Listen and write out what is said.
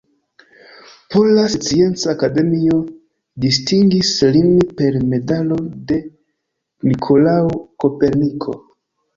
Pola Scienca Akademio distingis lin per medalo de Nikolao Koperniko.